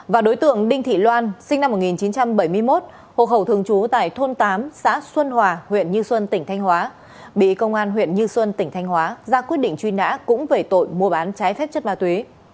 và đối tượng đinh thị loan sinh năm một nghìn chín trăm bảy mươi một hộ khẩu thường trú tại thôn tám xã xuân hòa huyện như xuân tỉnh thanh hóa bị công an huyện như xuân tỉnh thanh hóa ra quyết định truy nã cũng về tội mua bán trái phép chất ma túy